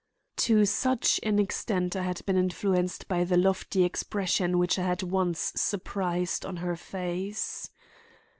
To such an extent had I been influenced by the lofty expression which I had once surprised on her face.